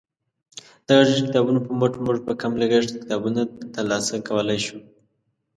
د غږیزو کتابونو په مټ موږ په کم لګښت کتابونه ترلاسه کولی شو.